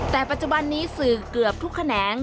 แต่ปัจจุบันนี้สื่อเกือบทุกแขนง